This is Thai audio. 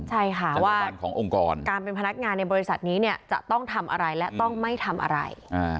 เพราะว่าการเป็นพนักงานในบริษัทนี้เนี่ยจะต้องทำอะไรและต้องไม่ทำอะไร